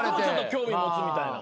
興味持つみたいな。